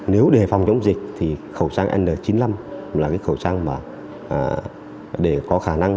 nếu đề phòng chống dịch thì khẩu trang n chín mươi năm là cái khẩu trang mà để có khả năng